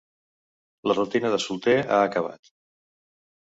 La rutina de solter ha acabat.